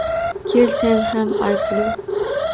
Kel sen ham Oysuluv —